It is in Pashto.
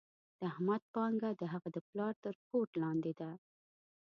د احمد پانګه د هغه د پلار تر ګورت لاندې ده.